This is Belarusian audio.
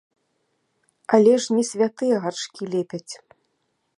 Але ж не святыя гаршкі лепяць.